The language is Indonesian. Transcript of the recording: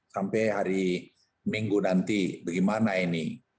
sampai hari minggu nanti bagaimana ini